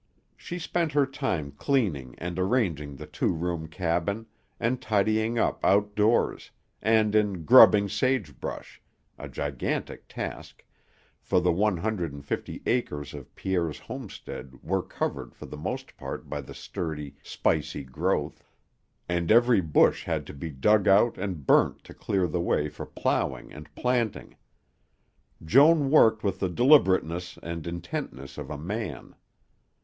She spent her time cleaning and arranging the two room cabin, and tidying up outdoors, and in "grubbing sagebrush," a gigantic task, for the one hundred and fifty acres of Pierre's homestead were covered for the most part by the sturdy, spicy growth, and every bush had to be dug out and burnt to clear the way for ploughing and planting. Joan worked with the deliberateness and intentness of a man.